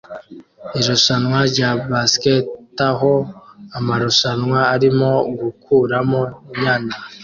Irushanwa rya basketaho amarushanwa arimo gukuramo inyana